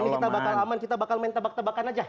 ini kita bakal aman kita bakal main tebak tebakan aja